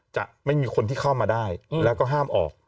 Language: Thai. จะไม่มีคนที่เข้ามาได้แล้วก็ห้ามออก